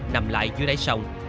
nằm lại dưới đáy sông